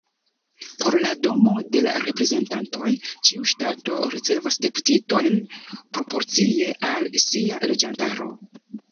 Por la Domo de Reprezentantoj, ĉiu ŝtato ricevas deputitojn proporcie al sia loĝantaro.